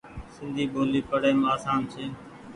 سندي ٻولي پڙيم آسان ڇي ۔